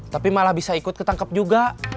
tapi malah bisa ikut ketangkep juga